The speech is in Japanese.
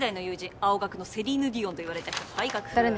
青学のセリーヌ・ディオンといわれた人はい楽譜誰ね？